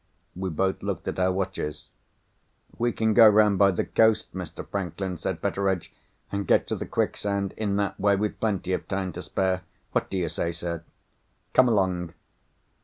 We both looked at our watches. "We can go round by the coast, Mr. Franklin," said Betteredge; "and get to the quicksand in that way with plenty of time to spare. What do you say, sir?" "Come along!"